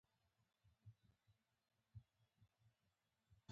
د ټولنې پېژندل: